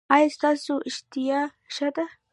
ایا ستاسو اشتها ښه ده؟